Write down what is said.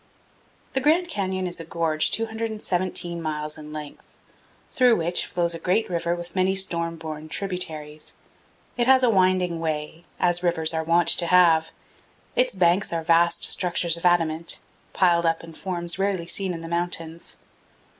THE Grand Canyon is a gorge 217 miles in length, through which flows a great river with many storm born tributaries. It has a winding way, as rivers are wont to have. Its banks are vast structures of adamant, piled up in forms rarely seen in the mountains.